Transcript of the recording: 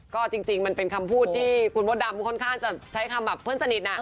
ก็จริงมันเป็นคำพูดที่คุณมดดำค่อนข้างจะใช้คำแบบเพื่อนสนิท